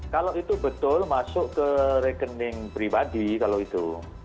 kalau itu betul masuk ke rekening pribadi kalau itu